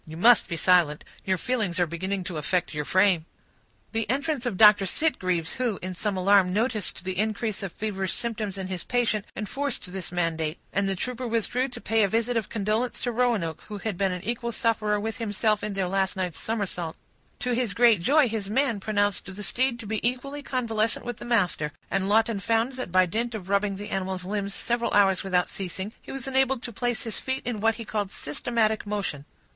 "You must be silent! Your feelings are beginning to affect your frame." The entrance of Dr. Sitgreaves, who, in some alarm, noticed the increase of feverish symptoms in his patient, enforced this mandate; and the trooper withdrew to pay a visit of condolence to Roanoke, who had been an equal sufferer with himself in their last night's somersault. To his great joy, his man pronounced the steed to be equally convalescent with the master; and Lawton found that by dint of rubbing the animal's limbs several hours without ceasing, he was enabled to place his feet in what he called systematic motion.